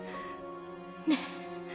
ねえ。